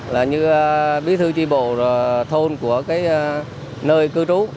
là như bí thư tri bộ rồi thôn của cái nơi cư trú